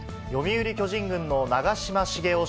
読売巨人軍の長嶋茂雄